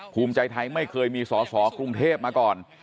ภูมิใจไทยไม่เคยมีสอสอกรุงเทพมาก่อน